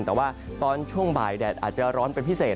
แต่ว่าตอนช่วงบ่ายแดดอาจจะร้อนเป็นพิเศษ